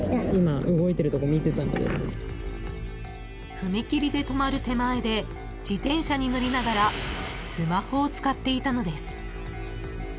［踏切で止まる手前で自転車に乗りながらスマホを使っていたのです］